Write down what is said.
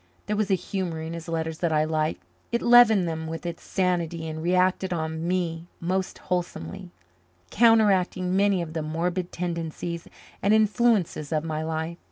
There was a humour in his letters that I liked; it leavened them with its sanity and reacted on me most wholesomely, counteracting many of the morbid tendencies and influences of my life.